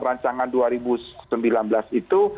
rancangan dua ribu sembilan belas itu